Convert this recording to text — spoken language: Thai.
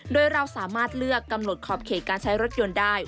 โดยเราสามารถเลือกกำหนดขอบเขตการใช้รถยนต์ได้